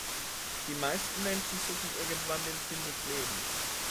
Die meisten Menschen suchen irgendwann den Sinn des Lebens.